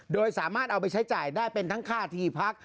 โดยสามารถเอาไปใช้จ่ายได้เป็นทั้งค่าที่พัก